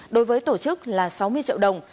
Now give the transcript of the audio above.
đối với tổ chức là sáu mươi triệu đồng